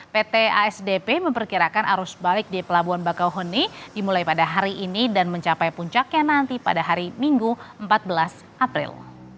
pt asdp memperkirakan arus balik di pelabuhan bakauheni dimulai pada hari ini dan mencapai puncaknya nanti pada hari minggu empat belas april